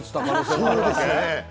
そうですね。